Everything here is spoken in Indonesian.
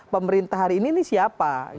pemerintah hari ini ini siapa